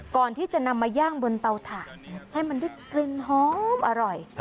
ก่อนที่จะนำมาย่างบนเตาถ่านให้มันได้กลิ่นหอมอร่อย